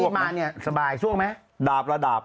ดำเนินคดีต่อไปนั่นเองครับ